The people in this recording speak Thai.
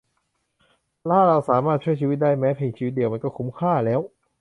ถ้าเราสามารถช่วยได้แม้เพียงชีวิตเดียว มันก็คุ้มค่าแล้ว